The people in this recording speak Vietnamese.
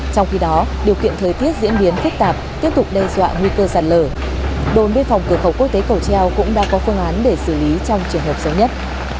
trong khi đó điều kiện thời tiết diễn biến phức tạp tiếp tục đe dọa nguy cơ sạt lở đồn biên phòng cửa khẩu quốc tế cầu treo cũng đã có phương án để xử lý trong trường hợp sớm nhất